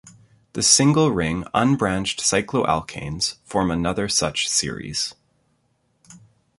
The single-ring unbranched cycloalkanes form another such series.